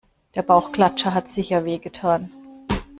Der Bauchklatscher hat sicher wehgetan.